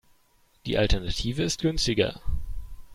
Die Alternative ist günstiger.